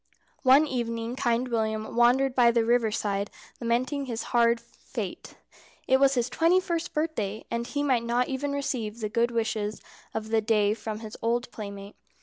One evening Kind William wandered by the river side lamenting his hard fate. It was his twenty first birthday, and he might not even receive the good wishes of the day from his old playmate.